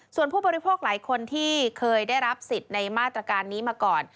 ส่วนผู้บริโภคหลายคนที่เคยได้รับสิทธิ์ในมาตรการนี้มาก่อน